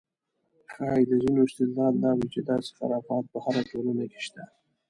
ښایي د ځینو استدلال دا وي چې داسې خرافات په هره ټولنه کې شته.